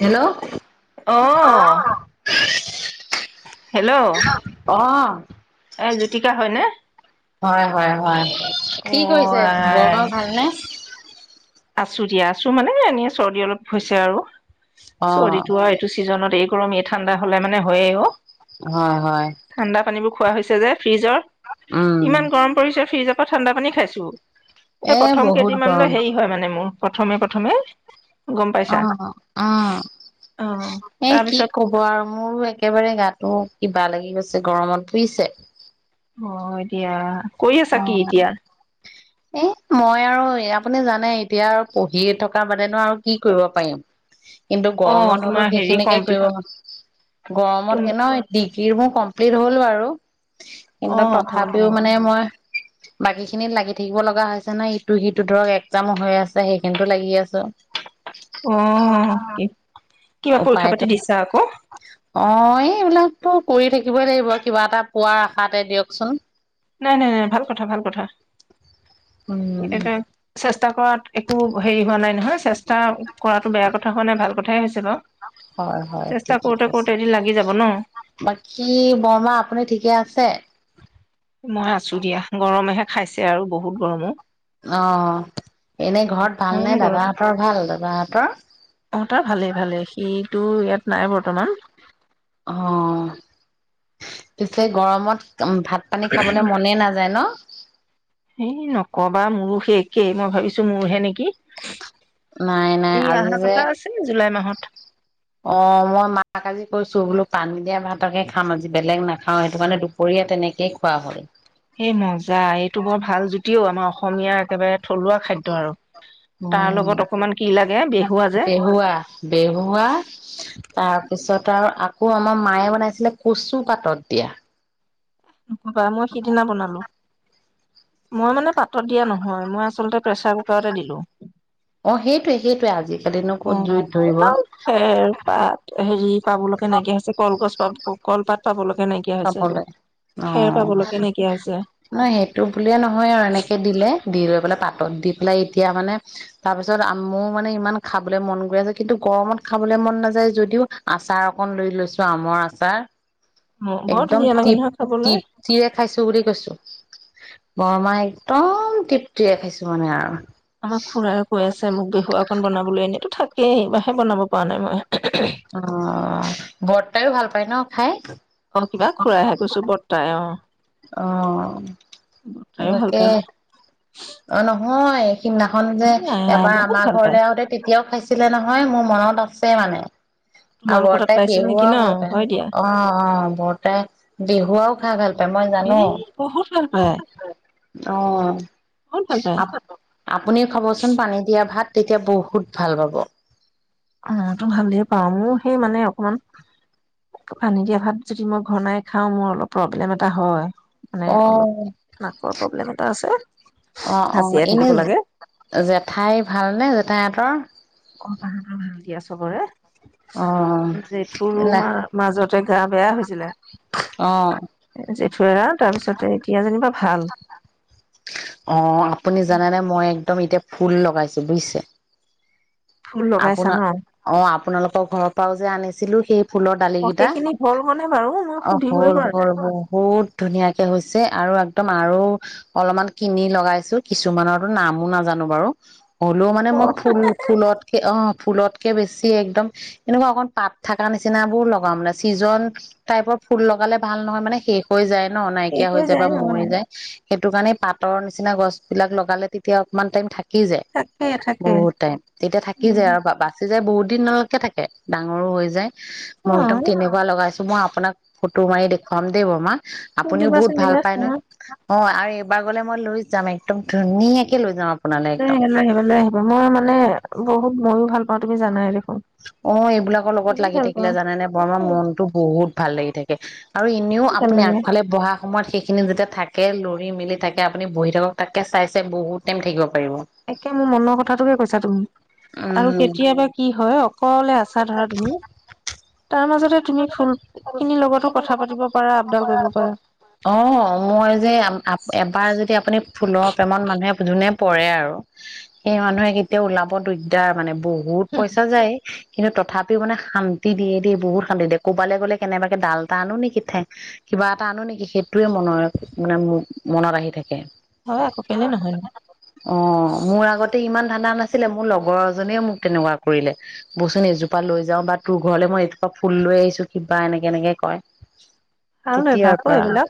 Hello, অহ ', অ', এ', জ্যোতিকা হয়নে হয় - হয় - হয় কি অ', কৰিছে আই বৰদৰ ভালনে? আছো দিয়া আছো মানে এনেই চৰ্দি অলপ হৈছে আৰু। অ চৰিতো এইটো চিজনত এই গৰমেই ঠাণ্ডা হ'লে মানে হয়েই অ', হয় - হয় ঠাণ্ডা পানীবোৰ খোৱা হৈছে যে। ফ্ৰিজৰ, উম ইমান গৰম পৰিছে ফ্ৰিজৰক ঠাণ্ডা পানী খাইছো এ', প্ৰথম বহুত কেইদিনমানানলৈ গৰম। হেৰি মানে মোৰ প্ৰথমে- প্ৰথমে গম পাইছা। অ', উ', অ', এ', কি তাৰপিছত কব আৰু মোৰো একেবাৰে গাটো বেয়া লাগি গৈছে গৰমত ফুইছে অ', এতিয়া কৰি আছা কি এতিয়া? এ', মই আৰু আপুনি জানে এতিয়া আৰু পঢ়ি থকা বাদেনো আৰু কি কৰিব পাৰিম। কিন্তু অ', গৰমত তোমাৰ হ'লেও হেৰি সেইখিনিকে কমপ্লি কৰিবো গৰমত হে নহয় সেই গিৰ মোৰ কমপ্লিট হ'ল বাৰু। কিন্তু অ', হ'ল তথাপিও অ', মানে মই বাকী খিনিত লাগি থাকিব লগা হৈছে না ইটো সিটো ধৰক একজামো হৈ আছে সেইখিনো লাগি আছো। অহ ' কি কিবা পৰীক্ষা উপায়তো পাতি নাই দিছা আকৌ? অ এইবিলাকতো কৰি থাকিবই লাগিব কিবা এটা পোৱাৰ আশাতে দিয়কচোন। নাই - নাই - নাই ভাল কথা -ভাল কথা উম উম্ ষ্টা কৰাত একো হেৰি হোৱা নাই নহয় চেষ্টা ষ্টা কৰাটো বেয়া কথা হয় নে ভাল কথ থাই হৈছে বাৰু হয় হয় চেষ্টা ঠিকে কৰোতে কৰোতে কৈছে এদিন লাগি যাব ন বাকী বৰমা আপুনি ঠিকে আছে মই আছো দিয়া গৰমেহে খাইছে আৰু বহুত গৰমো অ এনেই ঘৰত ভাল ভীষণ নে দাদাহঁতৰ ভাল দা হতৰ অ'টো ভালেই ভালে সিটো ইয়াত নাই বৰ্তমান অ পিছে গৰমত ভাত পানী খাবলৈ মনেই নাযায় ন এই নকবা মোৰো সেই একেই মই ভাবিছো ছো মোৰহে নেকি নাই নাই ই আজি অহা যে কথা আছে নেকি জুলাই মাহত অ', মই মাক আজি কৈছো বোলো পানী দিয়া ভাতকে খাম আজি বেলেগ নাখাও সেইটো মানে দুপৰীয়া তেনেকেই খোৱা হ'ল এ মজা এইটো বৰ ভাল জুতিও আমাৰ অস সমীয়া একেবাৰে থলুৱা খাদ্য আৰু উ তাৰ লগত অকমান কি লাগে বেহুৱা যে বেহুৱা বেহুৱা তাৰপিছত তাৰ আকৌ আমাৰ মায়ে বনাইছিলে কচু পাতত দিয়া বা মই সিদিনা বনালো মই মানে পাতত দিয়া নহয় মই আচলতে প্ৰেছাৰ কুকাৰতে দিলো অ সেইটোৱে সেইটোৱে আজিকালিনো অ ক'ত জুইত ক'ত ধৰিব আৰু খেৰ পাত হেৰি পাবলৈকে নাইকিয়া হৈছে কলগছ পাব কলপাত পাবলৈকে নাইকিয়া হৈছে খাবলৈ অ খেৰ পাবলৈকে নাইকিয়া হৈছে ন সেইটো বুলিয়ে নহয় আৰু এনেকে দিলে দি লৈ পেলাই পাতত দি পেলাই এতিয়া মানে তাৰ পিছত মোৰ মানে ইমান খাবলৈ মন গৈ আছে কিন্তু গৰমত খাবলৈ মন নাযায় যদিও আচাৰ অকন লৈ লৈছো আমৰ আচাৰ অ', বৰ একদম ধুনীয়া লাগে তৃপ নহয় খাবলৈ তৃপ্তিৰে খাইছো বুলি কৈছো বৰমা একদম তৃপ্তিৰে খাইছো মানে আৰু আমাক খুৰাৰে কৈ আছে মোক বিহুৱকন বনাবলৈ এনেইতো থাক স বাহে বনাব পৰা নাই মই অ ব তাইয়ো ভাল পায় ন খাই অ কিবা খুৰাইহে কৈছো বৰ্তাই অ অ বৰ্তাই ভাল তনেকে পায় অ নহয় সিদিনাখন যে এ আই এবাৰ বহুত আমাৰ ভাল পায় ঘৰলৈ আহোতে তেতিয়াও খাইছিলে নহয় মোৰ মনত আছে মানে আৰু তোমালোকৰ তাত বৰ্তাই পাইছিল নেকি ন বিহুৱাও ভাল পায় হয় দিয়া অ অ বৰ্তাই বিহুৱাও খাই ভাল পায় মই এ জানো বহুত ভাল পায় অ বহুত ভাল পায় আপুনি খাবচোন পানী দিয়া ভাত তেতিয়া বহুত ভাল পাব অ তো ভালেই পাওঁ মোৰ সেই মানে অকমান পানী দিয়া ভাত যদি মই ঘনাই খাওঁ মোৰ অলপ প্ৰব্লেম এটা হয় মানে অ অলপ নাকৰ প্ৰব্লেম এটা আছে অ অ হাঁচিয়াই এনে থাকিব লাগে জেঠাই ভালনে জেঠাই তেহেতৰ অ তাহাঁতৰ ভাল দিয়া চবৰে অ' জেঠুৰ না মা মাজতে গা বেয়া হৈছিলে অ জেঠু তাৰপিছতে এতিয়া যেনিবা ভাল অ আপুনি জানেনেে মই একদম এতিয়া ফুল লগাইছো বুজিছে ফুল লগাইছা আপোনাৰ ন অ আপোনালোক আ ঘৰৰ পৰাও যে আনিছিলো সেই ফুলৰ অ দালিকিটা সেইখিনি হ'ল মানে বাৰু মই অ সুধিবই হল পৰা নাই হল বহুত ধুনীয়াকে হৈছে আৰু একদম আৰু অলপমান কিনি লগাইছো কিছুমানৰো নামো নাজানো বাৰু হ'লও মানে অ মই ফুল ফুলত অ ফুলতকে বেছি একদম এনেকুৱা অকণ পাত থকা নিচিনাবোৰ লগাও মানে ছিজন টাইপৰ ফুল লগালে ভাল নহয় মানে শেষ হৈ যায় ন' নাইকিয়া হৈ যায় বা মৰি যায়। সেইটো কাৰণে পাতৰ নিচিনা গছ বিলাক লগালে তেতিয়া অকমান টাইম থাকে সি যে থাকে থাকে বহুত টাইম তেতিয়া থাক থাকি যায় আৰু বাচি যায় বহুত দিনলৈকে থাকে ডাঙৰো হৈ যায়। অ মই একদম তেনেকুৱা লগাইছে মই আপোনাক ফটো মাৰি দেখুৱাম দেই বমাক। আপুনিও বহুত সুধিবাচোন ভাল দিবা পায় নহয় অ'? এইবাৰ গলে মই লৈ যাম একদম ধুনীয়াকে লৈ যাম আ লৈ আহ লৈ আহিব লৈ আহিব মই মানে বহুত ময়ো ভাল পাওঁ তুমি জানায়ে দেখোন। অ' এইবিলাকৰ লগত বহুত লাগি ভাল থাকিলে জানে নে বৰ আমাৰ পাওঁ মনতো বহুত ভাল লাগি থাক আৰু এনেও ভাল আপুনি লাগে আগফালে বহা সময়ত শেষ সেইখিনি যেতিয়া থাকে লৰি মেলি থাকে আপুনি বহি থাকক তাতকৈ চাই চাই বহুত টাইম থাকিব পাৰিব একে মোৰ মনৰ কথাটোকে কৈছা তুমি আৰু উম কেতিয়াবা কি হয় অ' অকলে আছা ধৰা তুমি তাৰ মাজতে তুমি ফুল খিনিৰ লগতো কথা পাতিব পাৰা আপডাল কৰিব পাৰা [unintelligible] অ' মই যে এবাৰ যদি আপুনি ফুলৰ প্ৰেমত মানুহে যোনে পৰে আৰু সেই মানুহে কেতিয়া ওলাব দিগদাৰ মানে বহুত পইচা যায়। কিন্তু তথাপিও মানে শান্তি দিয়ে দেই বহুত ক'বালে গ'লে কেনেবাকে ডাল এটা আনো নেকি কিবা এটা আনো নেকি সেইটোয়ে মনৰ মানে মনত আহি থাকে। হয় আকৌ কেলে নহয় নো অ', মোৰ আগতে ইমান অনা নাছিলে মোৰ লগৰ এজনিয়ে মোক তেনেকুৱা কৰিলে বচোন এজোপা লৈ যাওঁ বা তোৰ ঘৰলে মই এজোপা ফুল লৈ আহিছো কিবা এনেকে এনেকে কয়। ভাল তেতিয়াৰ অভ্যাস অ', পৰা এইবিলাক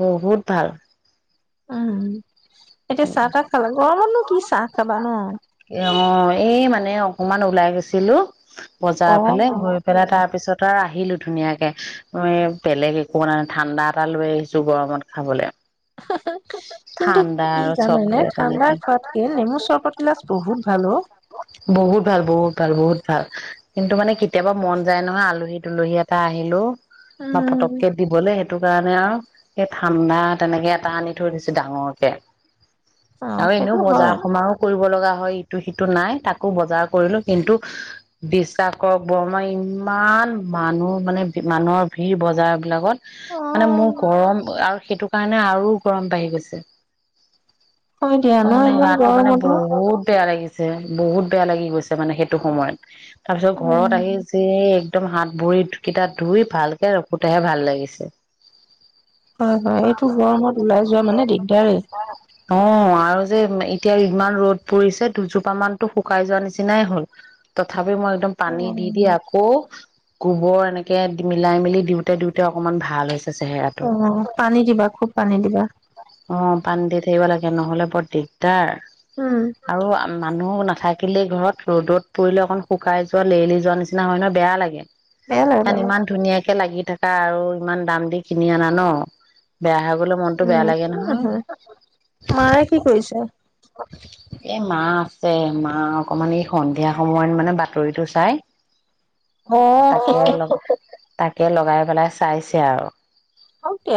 বহুত ভাল। অ'। এতিয়া চাহ তাহ খালা গৰমতনো কি চাহ খাবা ন'। অ', এই মানে অকমান ওলাই গৈছিলো। অ বজাৰ ফালে হৈ পেলাই তাৰ পিছত আৰু আহি আহিলো ধুনীয়াকে বেলেগ একো নাই ন' ঠাণ্ডা এটা লৈ আহিছো গৰমত খাবলে। কিন্তু ঠাণ্ডা কি আৰু জানানে চকলেট এনেকে ঠাণ্ডাৰ খোৱাতকে নেমু চৰ্বত গিলাচ বহুত ভালো অ'। বহুত ভাল বহুত ভাল বহুত ভাল কিন্তু মানে কেতিয়াবা মন যায় নহয় আলহী তুলহী এটা আহিলো বা উম পতককে দিবলে সেইটো কাৰণে মানে আৰু সেই ঠাণ্ডা তেনেকে এটা আনি থৈ দিছো ডাঙৰকে অ আৰু এনেও সেইটো বজাৰ হয় সমাৰো কৰিব লগা হয় ইটো সিটো নাই তাকো বজাৰ কৰিলো কিন্তু বিশ্বাস কৰক বৰ্মা ইমান মানুহ মানে মানুহৰ ভিৰ বজাৰ বিলাকত অ মানে মোৰ গৰম আৰু সেইটো কাৰণে আৰু গৰম বাঢ়ি গৈছে হয় দিয়া ন মোৰ মানে ইমান গাটো মানে গৰমতো বহুত বেয়া লাগিছে বহুত বেয়া লাগি গৈছে মানে সেইটো সময়ত তাৰপিছত ঘৰত উম আহি যে একদম হাত ভৰি কিটা ধুই ভালকে ৰখোতেহে ভাল লাগিছে। হয় হয় এইটো গৰমত ওলাই যোৱা মানে দিগদাৰেই অহ আৰু যে এতিয়া ইমান ৰ'দ পৰিছে দুজোপা মানতো শুকাই যোৱা নিচিনাই হল ত তথাপি মই একদম পানী দি দি আকৌ গোবৰ এনেকে মিলাই মেলি দিওঁতে দিওঁতে অকমান ভাল হৈছে। অহ পানী দিবা খুব পানী দিবা অহ পানী দি থাকিব লাগে। [unintelligible] নহ'লে বৰ দিগদাৰ উম আৰু মানুহ নাথাকে থাকিলে ঘৰত ৰ'দত পৰিলে অকণ শুকাই যোৱা লেৰেলি যোৱা নিচিনা হয় নহয় বেয়া লাগে। বেয়া লাগে কাৰণ বেয়া ইমান লাগে ধুনীয়াকে লাগি থাকা আৰু ইমান দাম দি কিনি অনা নঅহ। উম, থিক আছে। মায়ে কি কৰিছে? এহ মা আছে মা অকনমান এই সন্ধিয়া সময়ত মানে বাতৰিটো চাই। অহ। হি তাকে হি লগ হি তাকে লগাই পেলাই চাইছে আৰু অকে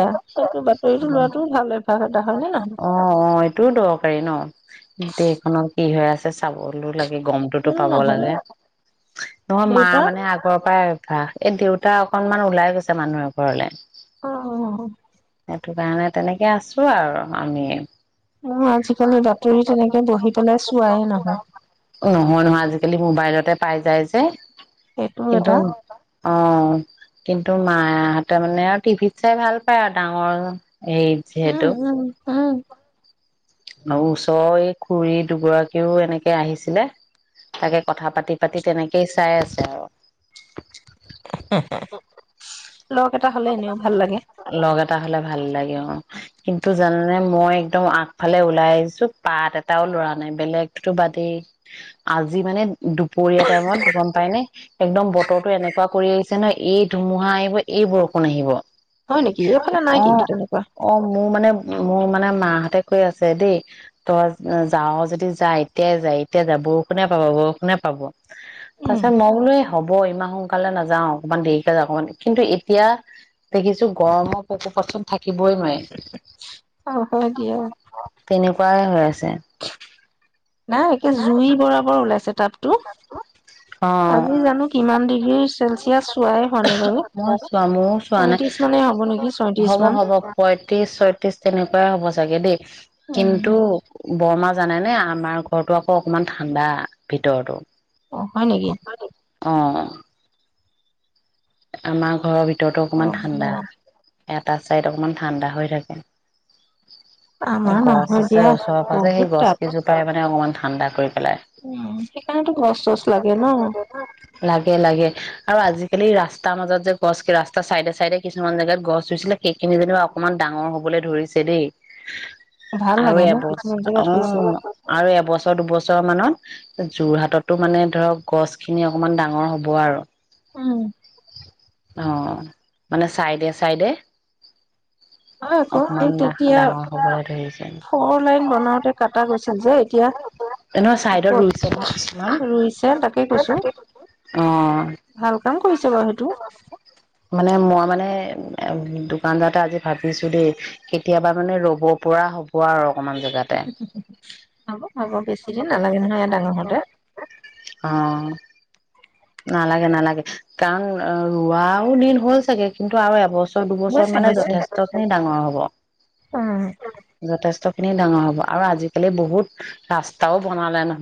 অহ অহ এইটোও দৰকাৰী ন গোটেইখনত কি হৈ আছে চাবলৈ লাগে গমটোটো কিয়নো পাব নহয় লাগে নহয়। মা দেউতা মানে আগৰৰ পৰাই আহ এই দেউতা অকনমান ওলাই গৈছে মানুহ এঘৰলৈ। অহ অহ। সেইটো কাৰণে তেনেকে আছো আৰু আমি মোৰ আজিকালি বাতৰি তেনেকে বহি পেলাই চোৱাই নহয় নহ নহাল আজিকালি মোবাইলতে পাই যায় যে সেইটো কিন্তু এটা অ কিন্তু মাহ মানে আৰু টিভিত চাই ভাল পায় আৰু ডাঙৰ অ এই উম যিহেতু উম উম ওচৰ এই খুৰী দুগৰাকীও এনেকে আহিছিলে তাকে কথা পাতি পাতি তেনেকেই চাই আছে আৰু অ লগ এটা হ'লে এনেও ভাল লাগে লগ এটা হ'লে ভাল লাগে অ কিন্তু জানে মই একদম আগফালে ওলাই আহিছো পাত এটাও লৰা নাই বেলেগতো বাদেই আজি মানে দুপৰীয়া টাইমত গম পাই নে একদম বতৰো এনেকুৱা কৰি আহিছে নহয় এই ধুমুহা আহিব এই বৰষুণ ফোন আহিব হয় নেকি এইফালে নাই অ কিন্তু তেনেকুৱা অ মোৰ মানে মোৰ মানে মাহঁতে কৈ আছে দেই তই যাৱ যদি যায় এতিয়াই যাই এতিয়াই যাই বৰষুনে পাব বৰষুনে পাব উম তাৰিছত মই বোলো এই হব ইমান সোনকালে নাযাও অকমান দেৰিকে যা অক কিন্তু এতিয়া দেখিছো গৰমৰ পশু পচন থাকিবই নোৱাৰি অ হয় দিয়া পৰাই হৈ আছে অ নাই একে জুই বৰাবৰ ওলাইছে তাত আজি জানো কিমান কোনফালে মোৰ চোৱা ময়ও চোৱা নাই পয়ত্ৰিশ মানে হ'ব নেকি ছয়ত্ৰিশ হ'ব মান হ'ব পয়ত্ৰিশ ছয়ত্ৰিশ তেনেকুৱাই হ'ব চাগে দেই উম কিন্তু বৰমা জানে নে আমাৰ ঘৰতটো আকৌ অকমান ঠাণ্ডা ভিতৰতো অ হয় নেকি অ আমাৰ ঘৰৰ ভিতৰত ভিতৰতো অ অকমান ঠাণ্ডা দিয়া এটা ছাইড অকণমান ঠাণ্ডা হৈ থাকে এ আমাৰ গছ নহয় আছে দিয়া ওচৰৰ পাজ যে সেই বহুত গছ তাপ কেইজোপাই মানে অকমান ঠাণ্ডা কৰি পেলাই উম সেইকাৰণেতো গছ চছ লাগে ন লাগে লাগে আৰু আজিকালি ৰাস তাৰ মাজত যে গছ ৰাস্তা চাইডে চাইডে কিছুমান জেগাত গছ ৰুইছিলে সেইখিনি যেনিবা অকনমান ডাঙৰ হবলৈ ধৰিছে দেই ভাল আৰু লাগে ন কিছুমান এবছৰ জেগাত হৈছে উম আৰু এবছৰ দুবছৰ যোৰহাটতো মানে ধৰক গছ খিনি অকমান ডাঙৰ হব আৰু উম অ মানে চাইডে চাইডে হয় আকৌ অকমান এই তেতিয়া ডাঙৰ হবলৈ ধৰিছে। ফৰ লাইন বনাওতে কাটা গৈছিল যে এতিয়া এনেকুৱা চাইডত আকৌ ৰুইছে ন কিছুমান ৰুইছে তাকে কৈছো অ', ভাল কাম কৰিছে বাৰু সেইটো মানে মই মানে দোকান পতা আজি ভাবিছো দেই কেতিয়াবা মানে ৰব পৰা হ'ব আৰু অকমান জেগাতে হ'ব হ'ব বেছিদিন নালাগে নহয় ইয়াতে ডাঙৰ সৈতে অ', নালাগে নালাগে কাৰণ ৰোৱাও দিন হ'ল চাগে কিন্তু আৰু এবছৰ বছৰ হৈছে মানে হৈছে যথেষ্ট খিনি ডাঙৰ হব উম এনে ডাঙৰ হ'ব আৰু আজিকালি বহুত ৰাস্তাও বনালে নয়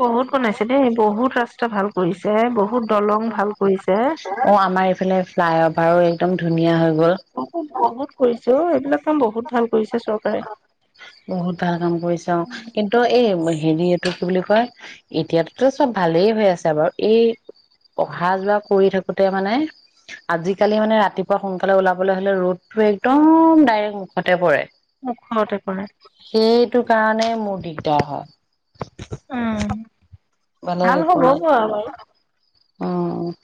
বহুত বনাইছে দেই বহুত ৰাস্তা ভাল কৰিছে বহুত দলং ভাল কৰিছে অ আমাৰ এইফালে ফ্লাই অফ পাৰ একদম ধুনীয়া হয় বহুত বহুত কৰিছে অ এইবিলাক কাম বহুত ভাল কৰিছে চৰকাৰে বহুত ভাল কাম কৰিচে কিন্তু এই হেৰি এইটো কি বুলি কয় এতিয়াততো চব ভালেই হৈ আছে বাৰু কি বুলি কয় এতিয়াটো চব ভালে হৈ আছে বাৰু এই অহা যোৱা কৰি থাকোতে মানে আজিকালি মানে ৰাতিপুৱা সোনকালে ওলাবলৈ হলে ৰ'দটো একদম ডাইৰেক্ট সঁতে পৰে মখ খনতে কৰে টো কাৰণে মোৰ দিগদাৰ হয় উম ভাল হবগে বাৰু অ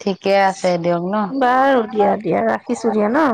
বাৰু দিয়া দিয়া ৰাখিছো দিয়া ন